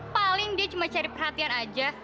paling dia cuma cari perhatian aja